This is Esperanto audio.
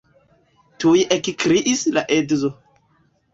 Tuj ekkriis la edzo.